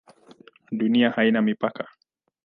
Dunia haina mipaka?